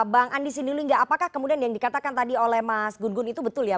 bang andi sindulinga apakah kemudian yang dikatakan tadi oleh mas gungun itu betul ya